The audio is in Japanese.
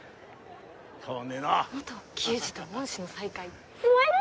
変わんねえな元球児と恩師の再会萌える